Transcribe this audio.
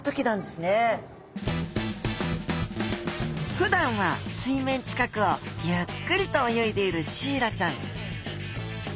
ふだんは水面近くをゆっくりと泳いでいるシイラちゃん。